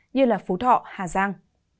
như là phú thọ hà giang